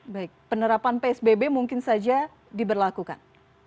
baik penerapan psbb mungkin saja diberlakukan